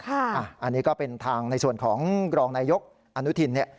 อันนี้ก็เป็นทางในส่วนของกรนมนอนี่ถิน